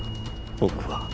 僕は。